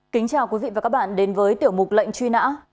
kính chào quý vị và các bạn đến với tiểu mục lệnh truy nã